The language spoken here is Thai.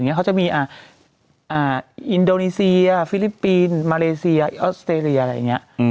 เขาจะมีอินโดนีเซียฟิลิปปินส์มาเลเซียออสเตรเลียอะไรอย่างนี้